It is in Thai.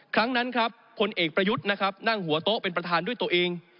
ครั้งนั้นครับพลเอกประยุทธ์นะครับนั่งหัวโต๊ะเป็นประธานด้วยตัวเอง